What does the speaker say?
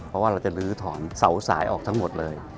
เพราะว่าเราจะลื้อถอนเสาสายออกทั้งหมดเลย